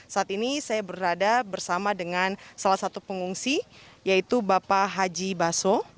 saat ini saya berada bersama dengan salah satu pengungsi yaitu bapak haji baso